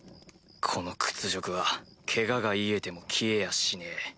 この屈辱はケガが癒えても消えやしねえ。